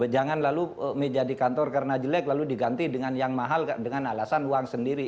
jangan lalu meja di kantor karena jelek lalu diganti dengan yang mahal dengan alasan uang sendiri